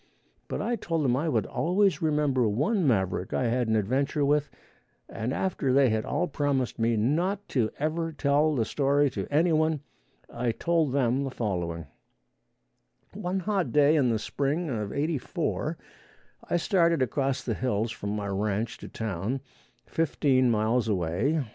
But I told them I would always remember one maverick I had an adventure with, and after they had all promised me not to ever tell the story to any one, I told them the following: One hot day in the spring of '84 I started across the hills from my ranch to town, fifteen miles away.